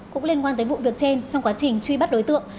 cũng liên quan tới vụ việc trên trong quá trình truy bắt đối tượng